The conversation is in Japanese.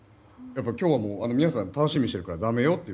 やっぱり今日は、皆さん楽しみにしてるからだめよって。